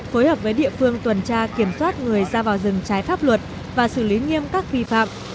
phối hợp với địa phương tuần tra kiểm soát người ra vào rừng trái pháp luật và xử lý nghiêm các vi phạm